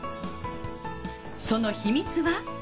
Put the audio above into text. その秘密は。